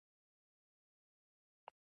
په يو آن کې خړې دښتې ترې جنان شي